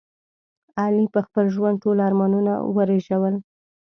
علي په خپل ژوند ټول ارمانونه ورېژول.